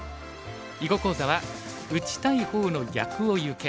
囲碁講座は「打ちたい方の逆をゆけ！」。